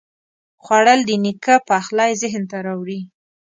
خوړل د نیکه پخلی ذهن ته راوړي